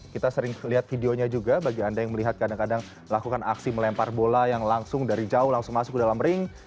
kita sering lihat videonya juga bagi anda yang melihat kadang kadang melakukan aksi melempar bola yang langsung dari jauh langsung masuk ke dalam ring